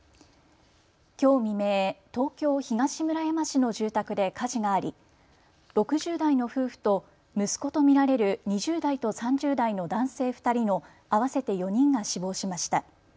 きょう未明、東京東村山市の住宅で火事があり６０代の夫婦と息子と見られる２０代と３０代の男性２人の合わせて４人が死亡しました。